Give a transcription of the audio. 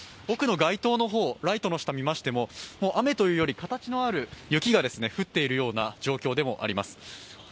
奥の街灯の方、ライトの下を見ましても雨というより形のある雪が降っているような状況でもあります。